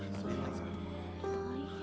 大変。